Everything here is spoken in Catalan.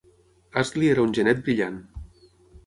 Astley era un genet brillant.